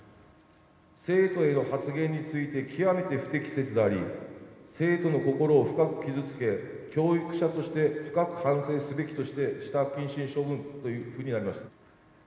生徒への発言について極めて不適切であり、生徒の心を深く傷つけ、教育者として深く反省すべきとして、自宅謹慎処分というふうになりました。